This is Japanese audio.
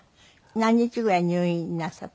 何日ぐらい入院なさった？